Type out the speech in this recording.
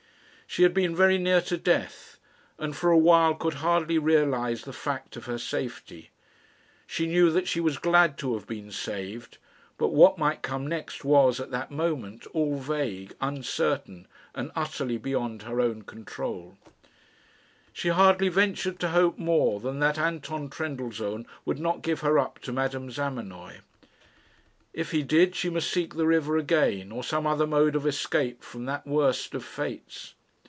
She had been very near to death, and for a while could hardly realise the fact of her safety. She knew that she was glad to have been saved; but what might come next was, at that moment, all vague, uncertain, and utterly beyond her own control She hardly ventured to hope more than that Anton Trendellsohn would not give her up to Madame Zamenoy. If he did, she must seek the river again, or some other mode of escape from that worst of fates.